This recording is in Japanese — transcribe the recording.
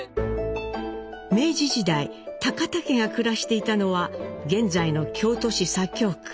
明治時代田家が暮らしていたのは現在の京都市左京区。